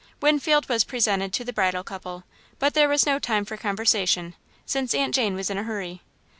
Winfield was presented to the bridal couple, but there was no time for conversation, since Aunt Jane was in a hurry.